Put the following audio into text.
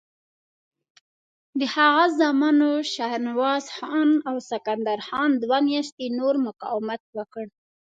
د هغه زامنو شهنواز خان او سکندر خان دوه میاشتې نور مقاومت وکړ.